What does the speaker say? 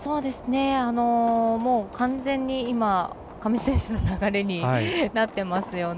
完全に今上地選手の流れになってますよね。